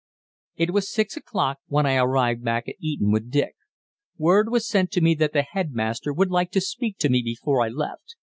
It was six o'clock when I arrived back at Eton with Dick. Word was sent to me that the headmaster would like to speak to me before I left.